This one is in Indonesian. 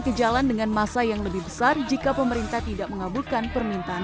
ketua komisi bdprd kudus anies hidayat